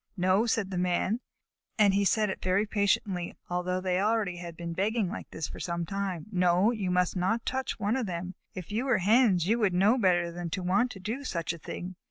"No," said the Man, and he said it very patiently, although they had already been begging like this for some time. "No, you must not touch one of them. If you were Hens, you would know better than to want to do such a thing.